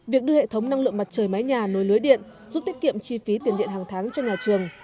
việc đưa hệ thống năng lượng mặt trời mái nhà nối lưới điện giúp tiết kiệm chi phí tiền điện hàng tháng cho nhà trường